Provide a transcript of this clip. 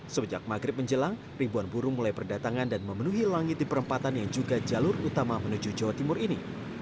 sejak maghrib menjelang ribuan burung mulai berdatangan dan memenuhi langit di perempatan yang juga jalur utama menuju jawa timur ini